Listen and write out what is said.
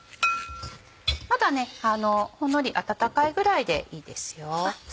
まだほんのり温かいぐらいでいいです。